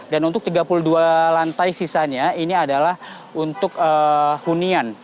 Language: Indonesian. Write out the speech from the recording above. dan untuk tiga puluh dua lantai sisanya ini adalah untuk hunian